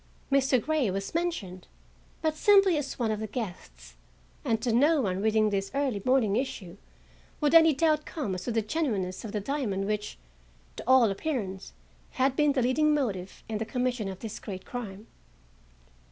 Mr. Grey was mentioned, but simply as one of the guests, and to no one reading this early morning issue would any doubt come as to the genuineness of the diamond which, to all appearance, had been the leading motive in the commission of this great crime.